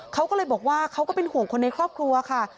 เขาก็เลยบอกว่าเขาก็เป็นห่วงคนในครอบครัวค่ะ